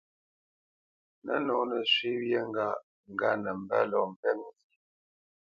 Nə̌nǒ nə shwé wyê ŋgâʼ ŋgât nə mbə́ lɔ mbɛ́p nzyêʼ.